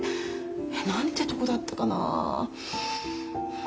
何てとこだったかな。